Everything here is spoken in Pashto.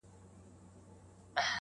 شپانه څرنگه په دښت كي مېږي پيايي،